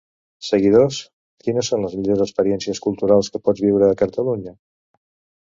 Seguidors... quines són les millors experiències culturals que pots viure a Catalunya?